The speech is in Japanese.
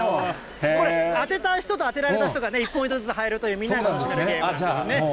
これ、当てた人と当てられた人が１ポイントずつ入るというゲームなんですね。